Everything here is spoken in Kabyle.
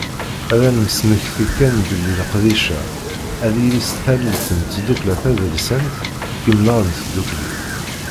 Ad d-nesmekti kan belli leqdic-a ad yili s tallelt n tddukkla tadelsant Imnar n Tdukli.